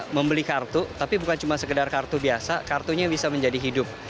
membeli kartu tapi bukan cuma sekedar kartu biasa kartunya bisa menjadi hidup